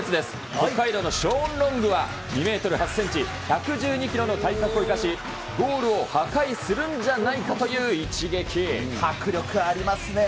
北海道のショーン・ロングは２メートル８センチ、１１２キロの体格を生かし、ゴールを破壊するん迫力ありますね。